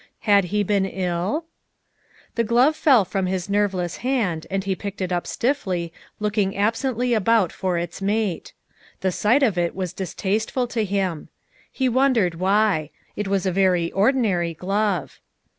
Had he been ill? The glove fell from his nerveless hand, and he picked it up stiffly, looking absently about for its mate. The sight of it was distasteful to him. He wondered why ; it was a very ordinary glove.